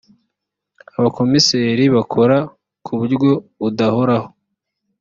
abakomiseri bakora ku buryo budahoraho.